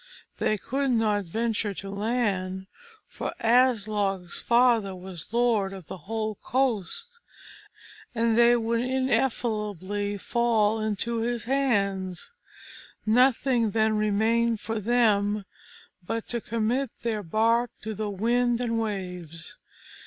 They could not venture to land, for Aslog's father was lord of the whole coast, and they would infallibly fall into his hands. Nothing then remained for them but to commit their bark to the wind and waves.